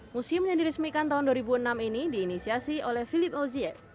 museum yang dirismikan tahun dua ribu enam ini diinisiasi oleh philippe elzie